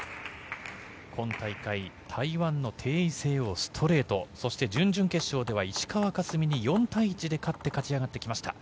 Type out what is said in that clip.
今大会台湾のテイ・イセイをストレートそして準々決勝では石川佳純に４対１で勝って勝ち上がってきました。